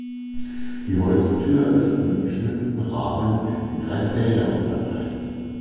Die Holztür ist mit geschnitzten Rahmen in drei Felder unterteilt.